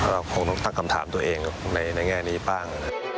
เราคงต้องตั้งคำถามตัวเองในแง่นี้บ้าง